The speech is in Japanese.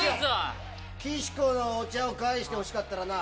岸子のお茶を返してほしかったらな